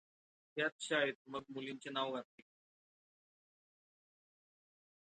त्याच शाळेत मग मुलींचे नाव घातले गेले.